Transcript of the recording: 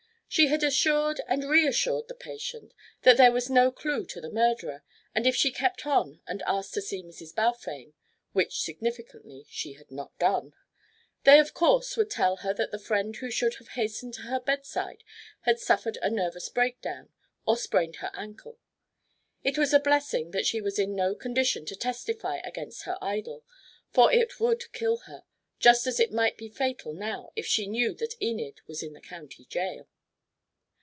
She had assured and reassured the patient that there was no clue to the murderer; and if she kept on and asked to see Mrs. Balfame, which, significantly, she had not done, they of course would tell her that the friend who should have hastened to her bedside had suffered a nervous breakdown or sprained her ankle. It was a blessing that she was in no condition to testify against her idol, for it would kill her, just as it might be fatal now if she knew that Enid was in the County Jail.